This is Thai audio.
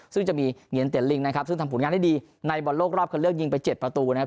ซึ่งจะมีเหงียนเตียนลิงนะครับซึ่งทำผลงานได้ดีในบอลโลกรอบคันเลือกยิงไป๗ประตูนะครับ